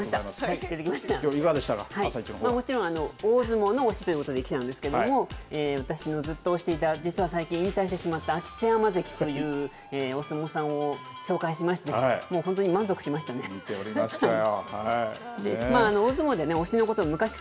きょう、いかがでしたか、もちろん、大相撲の推しということで来たんですけれども、私のずっと推していた、実は引退してしまった関というお相撲さんを紹介しまして、もう見ておりましたよ。